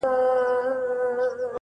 نسته له ابۍ سره شرنګی په الاهو کي!.